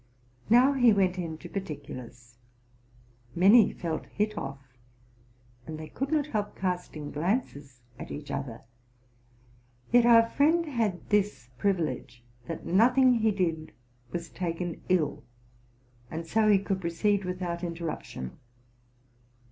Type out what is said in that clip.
'' Now he went into particulars. Many felt hit off, and they could not help casting glances at each other: yet our friend had this privilege, that nothing he did was taken ill; and so he could proceed without inter ruption.